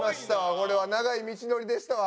これは長い道のりでしたわ。